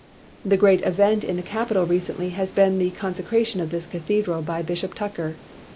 "The great event in the cajntal recently has been the consecration of this cathedral by Bishop Tucker.